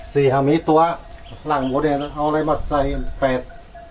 สี่หามีตัวหลังหมูเนี้ยแล้วเอาเลยมาใส่แปด